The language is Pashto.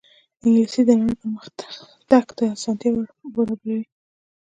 انګلیسي د نړۍ پرمخ تګ ته اسانتیا برابروي